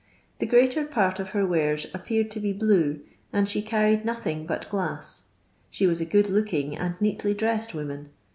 The greater part of her wares appeared to be blue, and she carried nothing but glass. She was a good looking and neatly dressed woman.